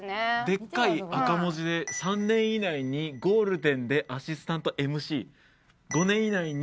でっかい赤文字で「３年以内にゴールデンでアシスタントＭＣ」「５年以内に」。